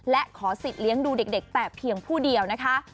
และขอสิทธิ์เลี้ยงดูเด็กแต่เพียงผู้เดียวนะคะ